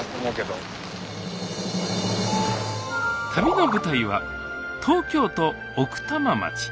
旅の舞台は東京都奥多摩町。